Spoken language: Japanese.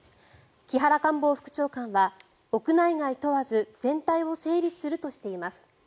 木原官房副長官は、屋内外問わず全体を整理するとしています。